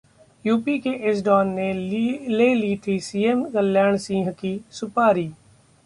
UP के इस don ने ले ली थी सीएम कल्याण सिंह की सुपारी